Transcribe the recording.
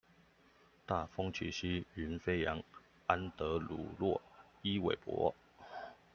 大風起兮雲飛揚，安德魯洛伊韋伯